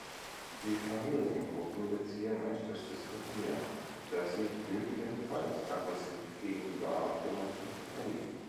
Die Familiengruppen beziehen ein festes Revier, das sie nötigenfalls aggressiv gegenüber Artgenossen verteidigen.